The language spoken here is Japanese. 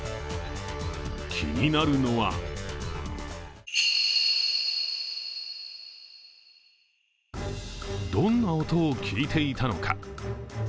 気になるのはどんな音を聞いていたのか。